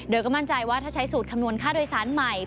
โดยก็มั่นใจว่าถ้าใช้สูตรคำนวณค่าโดยสารใหม่